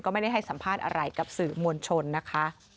ไม่ได้ให้สัมภาษณ์อะไรกับสื่อมวลชนนะคะ